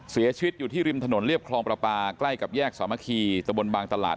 เสียชีวิตอยู่ที่ริมถนนเรียบคลองประปาใกล้กับแยกสามัคคีตะบนบางตลาด